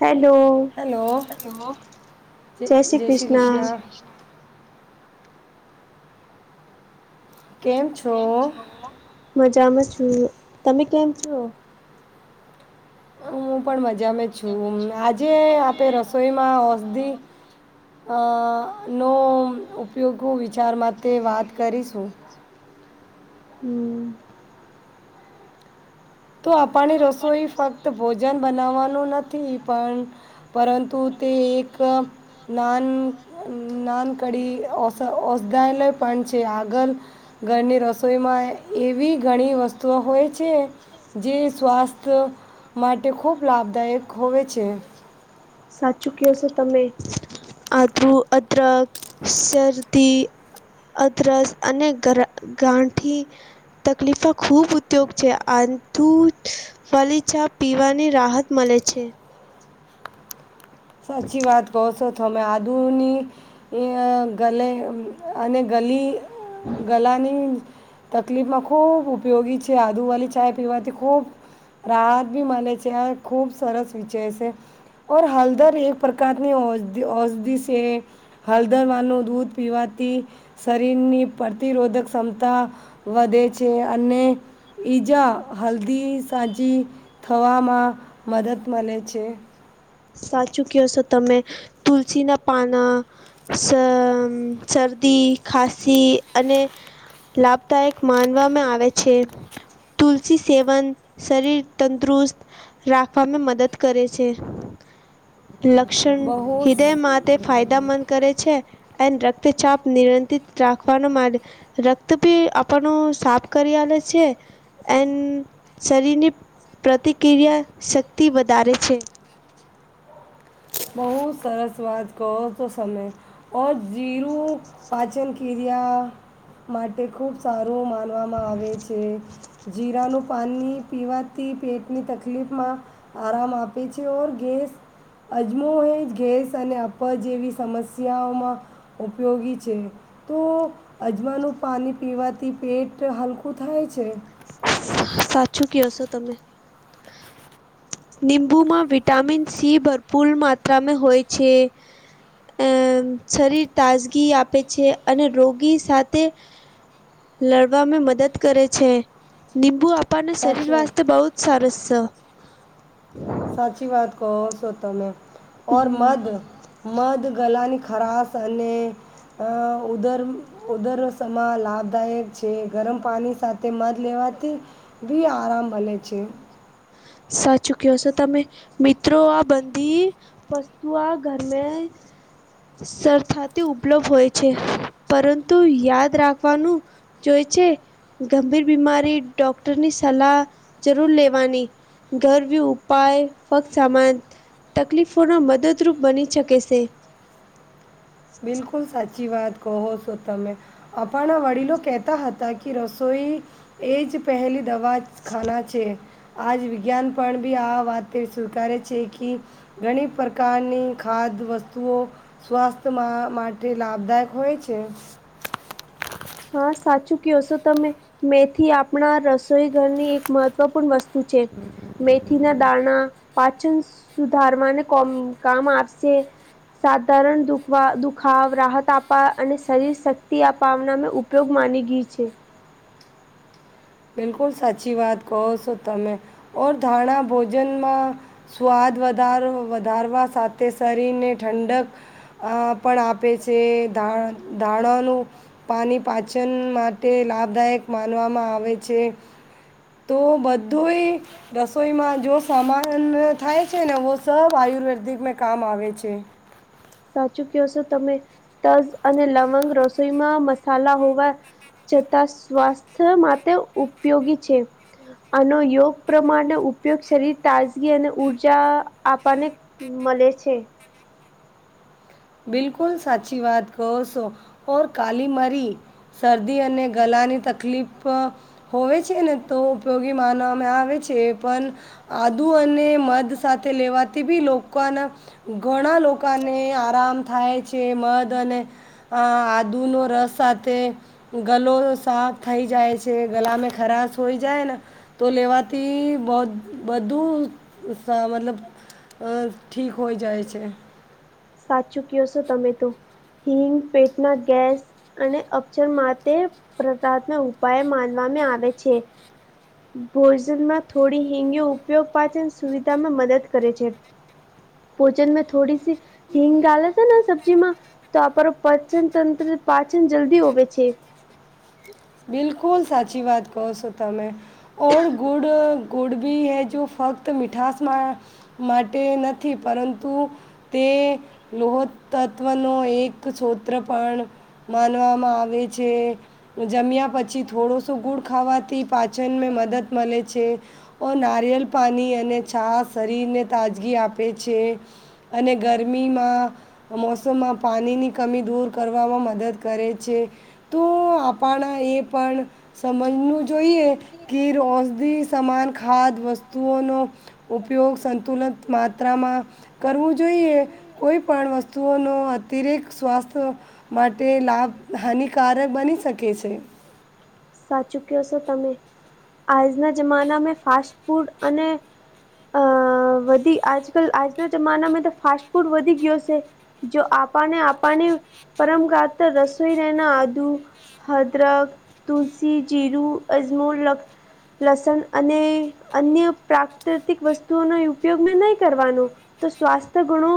Hello hello જય શ્રી કૃષ્ણ કેમ છો છ મજામાં છું. તમે કેમ છો? હું પણ મજામાં છું. આજે આપે રસોઈમાં ઔષધી નો ઉપયોગ વિચાર માટે વાત કરીશું. હમ! તો આપણણી રસોઈ ફક્ત ભોજન બનાવવાનું નથી પણ પરંતુ તે એક ઘ્યાન નાનકડી ઓસ ઓઔસધાયલય પણ છે આગળ ઘરની રસોઈમાં, એવી ઘણી વસ્તુઓ હોય છે. જે સ્વાસ્થ્ય માટે ખૂબ લાભદાયક હોય છે. સાચું કહ છો તમે, આદ્રુ, અદરક શરદી અદરસ અને ગર ગાંઠી તકલીફો ખૂબ ઉપયોગ છે. આંતુ જ ફલી ચા પીવાની રાહત મળે છે. સાચી વાત. તોસોથમે આદુની ગલે અને ગલી. ગલાની. તકલીફમાં ખૂબ ઉપયોગી છે આદુ વાળી ચાય પીવાથી ખૂબ. રાહત ભી મલે છે અને ખૂબ સરસ વિચય છે ઔર હલદર. એક પ્રકારની ઓ ઔષધિ સે હલદરવાનું દૂધ પીવાતી. શરીરની પ્રતિરોધક ક્ષમતા વધે છે અને ઈજા હલ્દી સાજી. થવામાં મદદ મળે છે. સાચું કેહ છો તમે તુલસીના પાના. સમમ શરદી, ખાંસી અને. લાભદાયક માનવામાં આવે છે તુલસી સેવન શરીર તંદુરુસ્ત. રાખવામાં મદદ કરે છે. લક્ષણ બહુ હૃદયમાં તે ફાયદામંદ કરે છે. એન રક્તચાપ નિયંતિત, રાખવાનો રક્ત ભી આપણુ સાફ કર્યાલ છે. એન શરીરની પ્રતિક્રિયા શક્તિ વધારે છે. બહુ સરસ વાત કહો છો તમે. ઓ જીરું પાચન ક્રિયા માટે ખુબ સારો માન. મનમાવા મા આવે છે. જીરાનું પાણી પીવાથી પેટની તકલીફમાં. આરામ આપે છે. ઓર ગેસ અજમો એ ગેસ અને અપર જેવી સમસ્યાઓમાં ઉપયોગી છે. તો અજમાનું પાણી પીવાથી પેટ હલકું થાય છે. સાચું કહેહશો તમે. નીંબુમાં વિટામિન સી ભરપૂર માત્રામાં હોય છે. એ શરીર તાજગી આપે છે અને રોગી સાથે. લડવામાં મદદ કરે છે. નિમ્બુ આપણને શરીર સાચું વાસ્તે બહુ જ સરસ છે. સાચી વાત કહો સો તમેં ઔર મધ મધ ગલાની ખરાશ અને. અ ઉદર ઉદર સમા લાભદાયક છે ગરમ પાણી સાથે મધ લેવાથી બી આરામ મલે છે. સાચું કહો છો તમે મિત્રો આ બંધી. વસ્તુ આ ઘરમે. સરથાથી ઉપલબ્ધ હોય છે પરંતુ યાદ રાખવાનું. જોઈ છે ગંભીર બીમારી ડૉક્ટરની સલાહ જરૂર લેવાની. ગરવ વિયુ ઉપાય ફક્ત સામા તકલીફોના મદદરૂપ બની શકે શે બિલકુલ સાચી વાત કહો સો તમે અપણા વડીલો કેહેતા હતા કે રસોઈ એ જ પહેલી દવાખાના છે આજ વિજ્ઞાન પણ બી આ વાતે સ્વીકારે છે કી ઘણી પ્રકારની ખાદ વસ્તુઓ સ્વાસ્થ તા મા માટે લાભદાયક હોય છે હા સાચું કહો છો તમે મેથી આપણા રસોઈ ઘરની એક મહત્વપૂર્ણ વસ્તુ તું ચાર મેથી ના દાણા પાચન સુધારવાંને કો કામ આપશે સાધારણ દુખવા દુખાવ રાહત આપવા અને શરીર શક્તિ અપવના ઉપયોગ માની ગઈ છે બિલકુલ સાચી વાત કહો સો તમે ઓર ધાણા ભોજનમાં સ્વાદ વધાર વધારવા સાથે શરીરને ઠંડક અ પણ આપે છે ધા ધાણાોનું પાણી પાચન માટે લાભદાયક માનવામાં આવે છે તો બધુંય રસોઈમાં જો સામાન થાય છે ને વો સબ આયુર્વેદિકમાં કામ આવે છે સાચું કહો છો તમે તજ અને લવંગ રસોઈમાં મસાલા હોવા છતાં સ્વાસ્થ્ય માટે ઉપયોગી છે. આનો યોગ પ્રમાણે ઉપયોગ શરીર તાજગી અને ઉર્જા આપવાને મલે છે બિલકુલ સાચી વાત કોર સો ઓર કાલી મરી શરદી અને ગલાની તકલીફ હોવે છે ને તો ઉપયોગી માનવામાં આવે છે પણ આદુ અને મધ સાથે લેવાથી બી લોકોના ઘણા લોકોને આરામ થાય છે મદ અને આ આદુનો રસ સાથે ગલો સાફ થઈ જાય છે ગલામાં ખરાશ હોઈ જાય ને તો લેવાથી બહ બધું સ મતલબ અ ઠીક હોય જાય છે સાચ કયો છો તમે તો હિંગ પેટના ગેસ અને ઉપચાર માટે પ્ર ઉપાય માનવામાં આવે છે ભોજનમાં થોડી હિંગ નો ઉપયોગ પાચન સુવિધામાં મદદ કરે છે ભોજન મે થોડી સી હિંગ ડાલે છે ને સબ્જીમાં તો આપણું પાચન તંત્ર પાચન જલ્દી હોવે છે બિલકુલ સાચી વાત કહો છો તમે ઓર ગુડ ગુડ ભી હૈ જો ફક્ત તો મીઠાસ માટે માટે નથી પરંતુ તે લોહ તત્વનો એક સોત્ર પણ માનવામાં આવે છે જમ્યા પછી થોડોસો ગુળ ખાવાથી પાચનને મદદ મળે છે ઓ નારિયેલ પાણી અને છાસ શરીરને તાજગી આપે છે અને ગરમીમાં મોસમમાં પાણીની કમી દૂર કરવામાં મદદ કરે છે તો પણ એ પણ સમજવું જોઈએ કે ઔષધ સામન ખાદ વસ્તુઓનો ઉપયોગ સંતુલિત માત્રામાં કરવું જોઈએ કોઈ પણ વસ્તુઓનો અતિરેિકત સ્વાસ્થ માટે લાભ હાનિકારક બની શકે છે સાચુંક્યો છો તમે આજના જમાનામાં ફાસ્ટ ફૂડ અને અ વધી આજ કલ આજકાલ જમાનામાં તો ફાસ્ટ ફૂડ વધી ગયો છે જો આપને આપને પરમગત રસોઈનેના આદુ હદરક તુલસી ઝીરું અઝમોર લ લસણ અને અન્ય પ્રાકૃતિક વસ્તુઓનો ઉપયોગ મેં નહી કરવાનો તો સ્વાસ્થ્ય ઘણો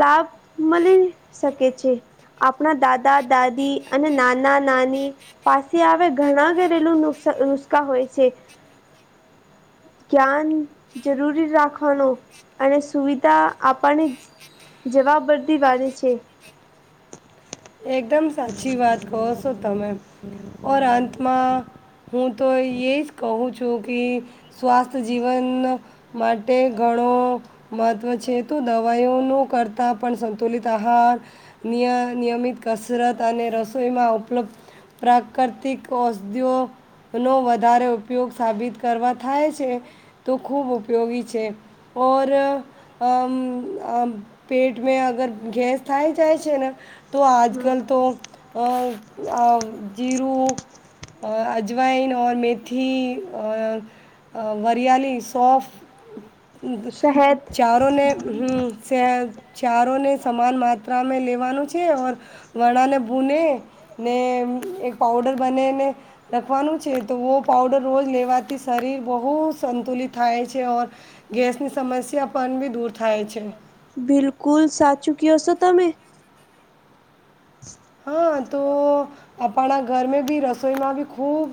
લાભ મળી શકે છે. આપણા દાદા દાદી અને નાના નાની પાસે આવે ઘણા ઘરેલું નુ નુસ્ખા હોય છે જ્ઞાન જરૂરી રાખવાનો અને સુવિધા આપણને જવાબવર્દી વાળે છે એકદમ સાચી વાત કહો છો તમે ઓર અંતમાં હું તો એ જ કહું છું કે સ્વાસ્થ્ય જીવન માટે ઘણો મહત્ત્વ છે તો દવાઈઓનું કરતાં પણ સંતુલિત આહાર નિય નિયમિત કસરત અને રસોઈમાં ઉપલબ્ધ પ્રાકૃતિક ઔષધ નો વધારે ઉપયોગ સાબિત કરવા થાય છે તો ખૂબ ઉપયોગી છે. ઓર. અમ આ પેટ મે અગર ગેસ થાય જાય છે ને તો આ. અજ હમ. કલ તો જીરું અ અજવાૈન મેથી અ વરિયાલી સોફ શહેદ ચાર હ ચારોને સમાન માત્રા લેવાનું છે. વણાને ભૂને ને એક પાવડર બનેને રખવાનું છે. તો વો પાવડર રોજ લેવાથી શરીર બહુ સંતુલિત થાય છે ઓર ગેસની સમસ્યા પણ બી દૂર થાય છે. બિલકુલ સાચું કહશો તમે. [inaudible] હા તો આપણા ઘરમે બી રસોઈમાં બી ખૂબ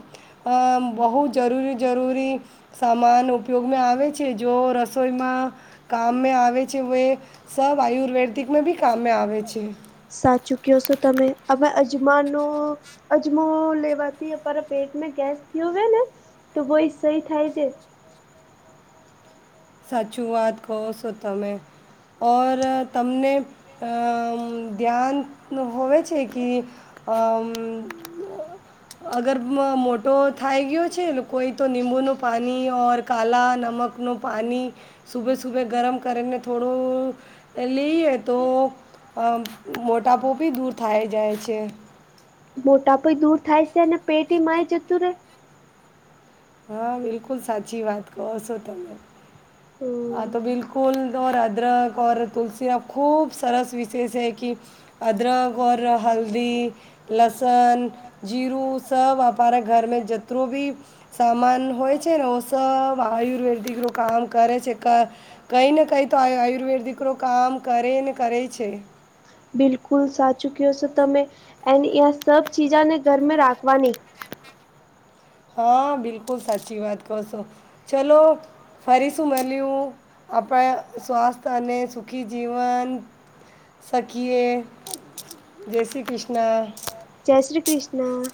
અ બહુ જરૂરી જરૂરી. સામાન ઉપયોગમાં આવે છે જો રસોઈમાં કામ મે આવે છે વવે સબ આયુર્વેદિક મે ભી કામ મે આવે છે. સાચું ક છો તમે આવે અજમાનો. અજમો લેવાથી અરા પેટમાં ગેસ થયો હોય ને તો બ એ સહી થાય છે. સાચુંઆત કહો સુ તમે. ઓર તમને ધ્યાન હોવે છે કી અમ્મ. અગર મોટો થાય ગયો છે કોઈ તો લીંબુનું પાણી ઓર કાલા નમકનું પાણી સુભે સુભે ગરમ કરીને થોડું લઈએ તો અ મોટાપોપી દૂર થાય જાય છે. મોટા પય દૂર થાય છે ને પેટ માય જતું રહેે. હા બિલકુલ સાચી વાત કહો છો તમે. હા હમ તો બિકુલ અદરક તુલસીના ખૂબ સરસ વિશેષ છે કે અદરક ઓર હલ્દી લસન જીરું સબ આપાર ઘર મે જતરો ભી સામાન હોય છે ને ઓ સ આયુર્વેદિક ન કામ કરે છે. કઈ ને કઈ તો આયુર્વેદ દીકરો કામ કરે ને કરે છે. બિલકુલ સાચું કયો છો તમે એની અં સબ ચીજાને ઘરમે રાખવાની હા બિલકુલ સાચી વાત કહો છો ચલો. ફરી શું મળ્યું આપણા સ્વાસ્થ્ય અને સુખી જીવન શખીએ જય શ્રી કૃષ્ણ જય શ્રી કૃષ્ણ.